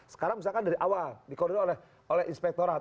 sekarang misalkan dari awal dikoril oleh inspektorat